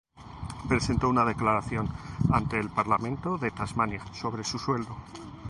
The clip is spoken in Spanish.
Presentó una declaración ante el Parlamento de Tasmania sobre su sueldo.